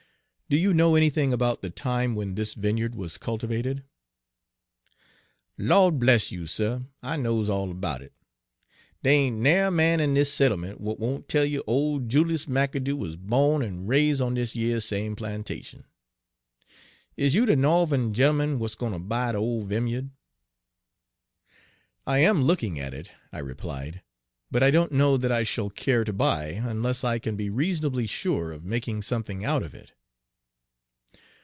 "Do you know anything about the time when this vineyard was cultivated?" "Lawd bless you, suh, I knows all about it. Dey ain' na'er a man in dis settlement w'at won' tell you ole Julius McAdoo 'uz bawn en raise' on dis yer same plantation. Is you de Norv'n Page 11 gemman w'at's gwine ter buy de ole vimya'd?" "I am looking at it," I replied; "but I don't know that I shall care to buy unless I can be reasonably sure of making something out of it."